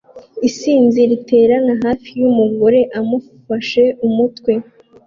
Isinzi riteranira hafi y'umugore amufashe umutwe